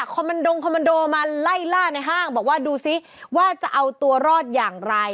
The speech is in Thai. คอมมันดงคอมมันโดมาไล่ล่าในห้างบอกว่าดูซิว่าจะเอาตัวรอดอย่างไร